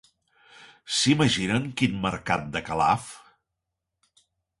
S'imaginen quin mercat de Calaf?